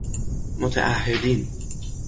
متعاهیدن